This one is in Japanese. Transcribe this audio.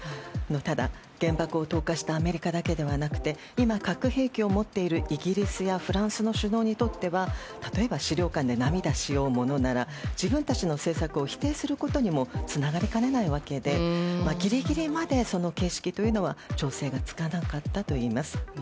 ただ、原爆を投下したアメリカだけではなくて今、核兵器を持っているイギリスやフランスの首脳にとっては例えば資料館で涙しようものなら自分たちの政策を否定することにもつながりかねないわけでギリギリまで形式というのは調整がつかなかったといいます。